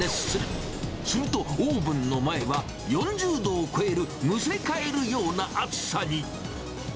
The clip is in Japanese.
すると、オーブンの前は、４０度を超えるむせかえるような暑さに。